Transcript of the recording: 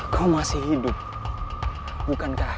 kau masih hidup bukankah